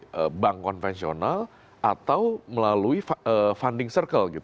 melalui bank konvensional atau melalui funding circle